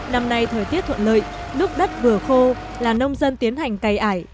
năm nay thời tiết thuận lợi nước đất vừa khô là nông dân tiến hành cày ải